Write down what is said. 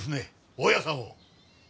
大家さんを。